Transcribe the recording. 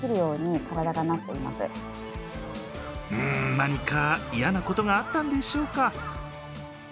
何か嫌なことがあったんでしょうか。